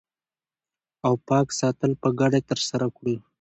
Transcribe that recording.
او پاک ساتل په ګډه ترسره کړو